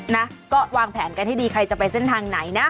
นะก็วางแผนกันให้ดีใครจะไปเส้นทางไหนนะ